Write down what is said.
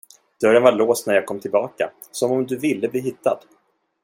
Dörren var låst när jag kom tillbaka, som om du ville bli hittad.